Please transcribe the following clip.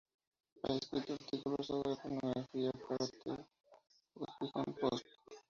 Ha escrito artículos sobre pornografía para "The Huffington Post".